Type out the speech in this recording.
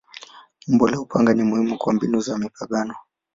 Umbo la upanga ni muhimu kwa mbinu za mapigano.